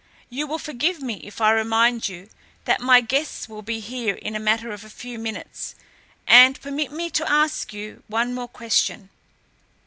You will forgive me if I remind you that my guests will be here in a matter of a few minutes, and permit me to ask you one more question.